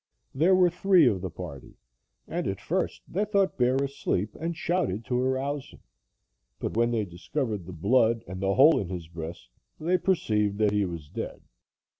There were three of the party, and at first they thought Bear asleep and shouted to arouse him, but when they discovered the blood and the hole in his breast, they perceived that he was dead.